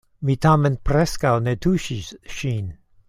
Mi tamen preskaŭ ne tuŝis ŝin.